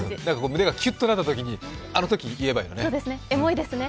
胸がきゅっとなったときにあのときに言えばいいのね。